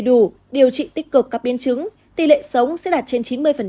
đủ điều trị tích cực các biến chứng tỷ lệ sống sẽ đạt trên chín mươi